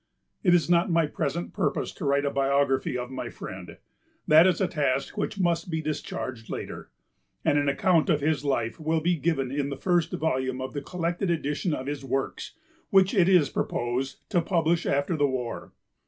It is not my present purpose to write a biography of my friend. That is a task which must be discharged later, and an account of his life will be given in the first volume of the collected edition of his works, which it is proposed to publish after the war.